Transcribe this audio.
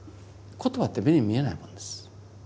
言葉って目に見えないものです。